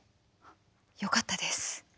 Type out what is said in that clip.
よかったです。